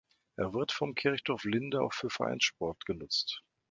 Er wird vom Kirchdorf Linde auch für Vereinssport genutzt.